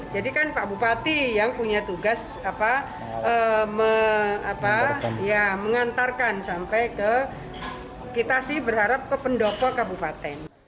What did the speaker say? kan pak bupati yang punya tugas mengantarkan sampai ke kita sih berharap ke pendopo kabupaten